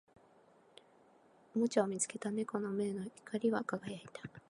おもちゃを見つけた猫の目は光り輝いた